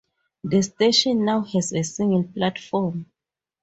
The station now has a single platform.